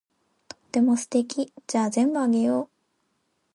とっても素敵。じゃあ全部あげよう。